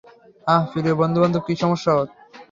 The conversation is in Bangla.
আহ, প্রিয় বন্ধুবান্ধব কী সমস্যা ওর?